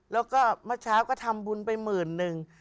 แล้วก็เมื่อเช้าก็ทำบุญไปหมื่นหนึ่ง